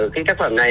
cái tác phẩm này